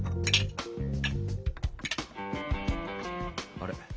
あれ？